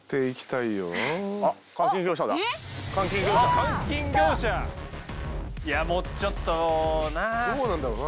いやもうちょっとなどうなんだろうな